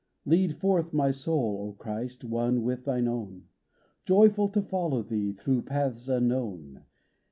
Lead forth my soul, O Christ, One with Thine own ; Joyful to follow Thee Through paths unknown